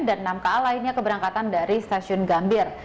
dan enam ka lainnya keberangkatan dari stasiun gambir